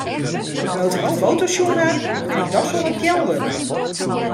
No't ik de foto's sjoen ha, bin ik dochs wol wat kjel wurden.